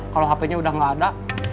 kalo hpnya udah gak ada